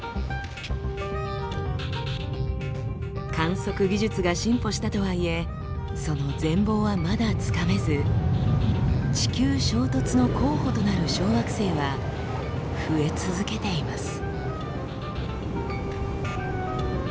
観測技術が進歩したとはいえその全貌はまだつかめず地球衝突の候補となる小惑星は増え続けています。